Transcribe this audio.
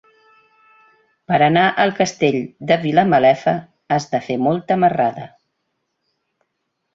Per anar al Castell de Vilamalefa has de fer molta marrada.